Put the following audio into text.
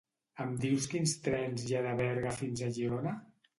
Em dius quins trens hi ha de Berga fins a Girona?